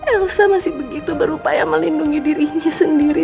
elsa masih begitu berupaya melindungi dirinya sendiri